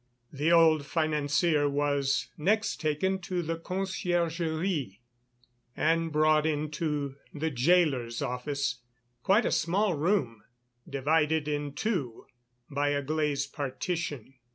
The old financier was next taken to the Conciergerie and brought into the Gaoler's office, quite a small room, divided in two by a glazed partition.